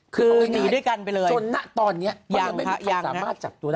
คือหนีด้วยกันไปเลยจนตอนเนี่ยเขาไม่มีความสามารถจับตัวด้าน